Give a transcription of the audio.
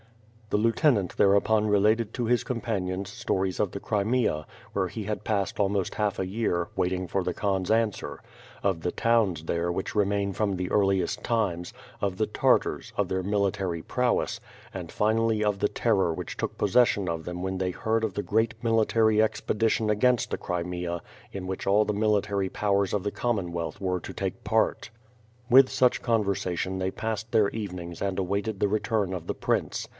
The lieutenant thereupon related to his companions stories of the Crimea, where he had passed almost half a year, wait ing for the Khan's answer; of the towns there which remain from the earliest times; of the Tartars; of their military prowess, and finally of the terror which took possession of them when they heard of the great military expedition against the Crimea in which all the military powers of the Commonwealth were to take part. With such conversation they passed their evenings and awaited the return of the prince.